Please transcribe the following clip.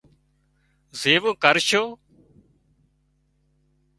زيوون ڪرشو